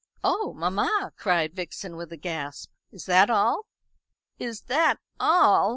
"Oh, mamma!" cried Vixen, with a gasp. "Is that all?" "Is that all?